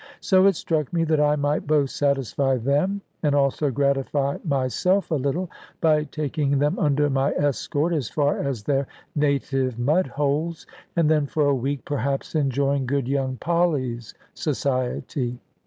So it struck me that I might both satisfy them and also gratify myself a little, by taking them under my escort as far as their native mud holes, and then for a week perhaps enjoying good young Polly's society.